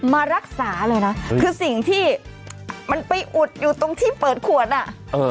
มารักษาเลยนะคือสิ่งที่มันไปอุดอยู่ตรงที่เปิดขวดน่ะเออ